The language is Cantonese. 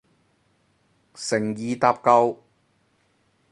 誠意搭救